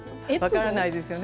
分からないですよね。